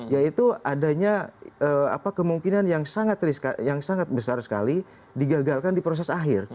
yaitu adanya kemungkinan yang sangat besar sekali digagalkan di proses akhir